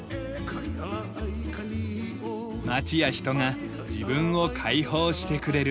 町や人が自分を解放してくれる。